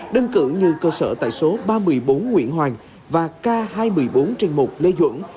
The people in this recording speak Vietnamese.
đơn cự như cơ sở tại số ba mươi bốn nguyễn hoàng và k hai mươi bốn trình mục lê dũng